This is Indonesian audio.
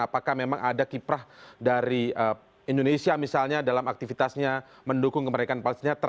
apakah memang ada kiprah dari indonesia misalnya dalam aktivitasnya mendukung kemerdekaan palestina